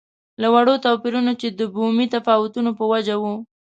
له وړو توپیرونو چې د بومي تفاوتونو په وجه وو.